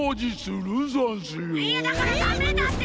いやだからダメだって！